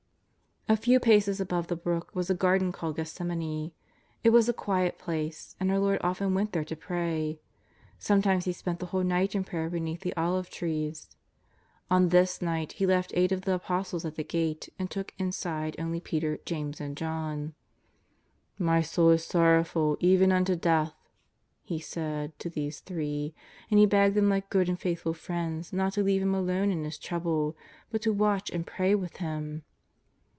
A few paces above the brook was a garden called Gethsemane. It was a quiet place, and our Lord often went there to pray; sometimes He spent the whole night in prayer beneath the olive trees. On this night He left eight of the Apostles at the gate, and took inside only Peter, James and John. " My soul is sorrowful even unto death/' He said to these three, and He begged them like good and faith ful friends not to leave Him alone in His trouble, but to watch and pray with Him.